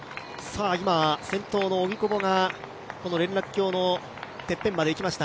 先頭の荻久保が連絡橋のてっぺんまでいきました。